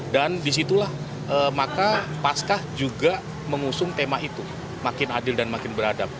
dan disitulah maka pasca juga mengusung tema itu makin adil dan makin beradab